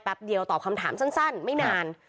เดียวตอบคำถามสั้นไม่นาน